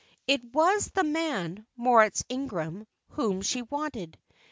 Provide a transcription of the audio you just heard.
It was the man, Moritz Ingram, whom she wanted.